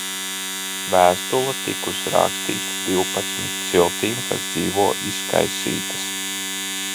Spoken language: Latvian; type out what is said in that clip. "Vēstule tikusi rakstīta "divpadsmit ciltīm, kas dzīvo izkaisītas"."